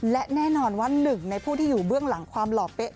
และแน่นอนว่าหนึ่งในผู้ที่อยู่เบื้องหลังความหล่อเป๊ะ